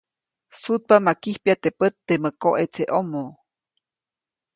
Sutpa ma kijpya teʼ pät temä koʼetseʼomo.